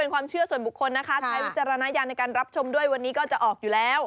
ค้าไทยวิจารณญาณในการรับชมด้วยวันนี้ก็จะออกอยู่แล้ว